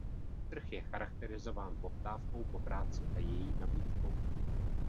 Trh je charakterizován poptávkou po práci a její nabídkou.